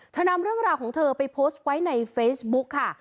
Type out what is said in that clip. นำเรื่องราวของเธอไปโพสต์ไว้ในเฟซบุ๊กค่ะ